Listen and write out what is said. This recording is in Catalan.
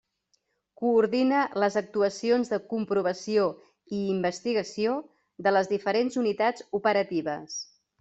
Coordina les actuacions de comprovació i investigació de les diferents unitats operatives.